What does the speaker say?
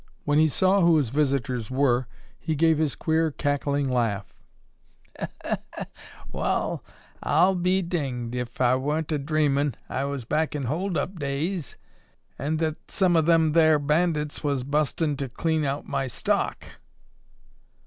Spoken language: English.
When he saw who his visitors were, he gave his queer cackling laugh, "Wall, I'll be dinged ef I wa'n't a dreamin' I was back in holdup days and that some of them thar bandits was bustin' in to clean out my stock."